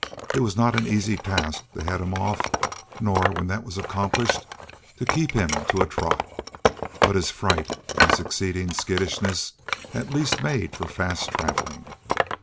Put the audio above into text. It was not an easy task to head him off nor, when that was accomplished, to keep him to a trot. But his fright and succeeding skittishness at least made for fast traveling.